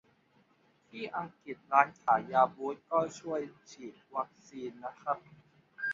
ที่อังกฤษ ร้านขายยาบูตส์ก็ช่วยฉีดวัคซีนนะครับ